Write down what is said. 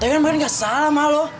tegon mengin gak salah mah lo